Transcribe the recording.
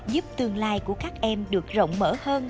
giúp tương lai của các em được rộng mở hơn